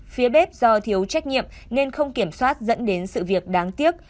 phía bếp do thiếu trách nhiệm nên không kiểm soát dẫn đến sự việc đáng tiếc